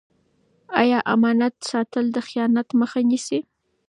آیا امانت ساتل د خیانت مخه نیسي؟